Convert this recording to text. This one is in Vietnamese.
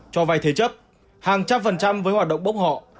cho vay thế chấp hàng trăm phần trăm với hoạt động bốc họ